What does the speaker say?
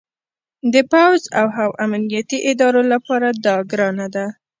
د پوځ او هم امنیتي ادارو لپاره دا ګرانه ده